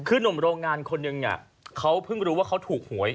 คือหนุ่มโรงงานคนนึงเขาเพิ่งรู้ว่าเขาถูกหวย